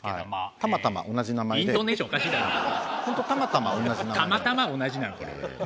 たまたま同じなのこれはね。